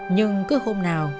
nhưng cứ hôm nào